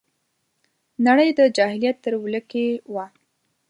نړۍ د جاهلیت تر ولکې وه